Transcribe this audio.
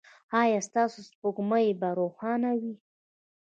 ایا ستاسو سپوږمۍ به روښانه وي؟